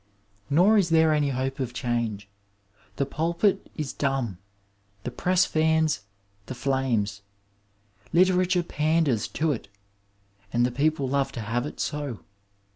Nor is there any hope of change ; the pulpit is dumb, the press fans the flames, literature panders to it and the people love to have it so.